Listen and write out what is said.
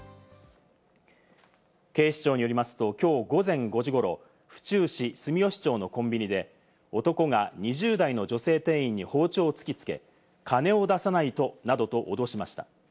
警視庁によりますと、きょう午前５時ごろ、府中市住吉町のコンビニで男が２０代の女性店員に包丁を突きつけ、金を出さないと、などと脅しました。